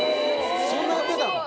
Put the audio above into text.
そんなやってたの？